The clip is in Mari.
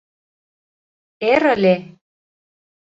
Эр ыле.